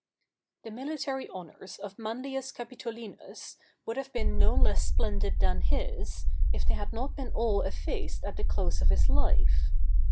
The military honors of Manlius Capitolinus would have been no less splendid than his, if they had not been all effaced at the close of his life.